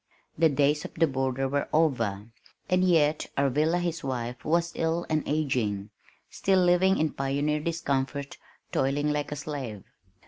The days of the border were over, and yet Arvilla his wife was ill and aging, still living in pioneer discomfort toiling like a slave.